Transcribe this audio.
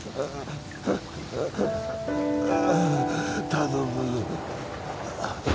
頼む。